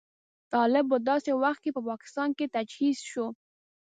طالب په داسې وخت کې په پاکستان کې تجهیز شو.